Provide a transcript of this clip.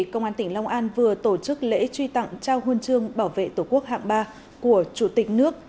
công an tỉnh long an vừa tổ chức lễ truy tặng trao huân chương bảo vệ tổ quốc hạng ba của chủ tịch nước